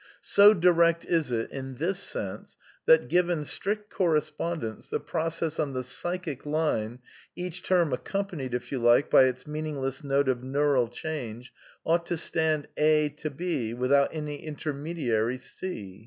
So direct is it (in this sense) that, given strict correspimdence, the process on the psychic line — r each term accompanied, if you like, by its meaningless note of neural change — ou^t to stand a' b% without any intermediary c^.